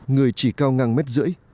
người chỉ cao ngang mét rưỡi